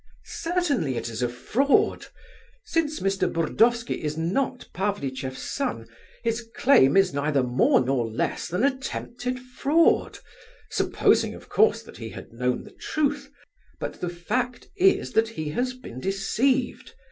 "Certainly it is a fraud! Since Mr. Burdovsky is not Pavlicheff's son, his claim is neither more nor less than attempted fraud (supposing, of course, that he had known the truth), but the fact is that he has been deceived.